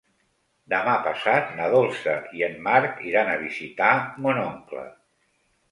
Demà passat na Dolça i en Marc iran a visitar mon oncle.